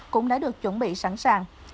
cũng đã được chuẩn bị sẵn sàng